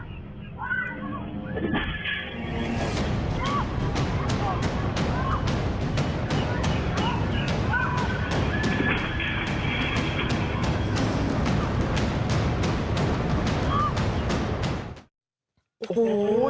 โอ้โห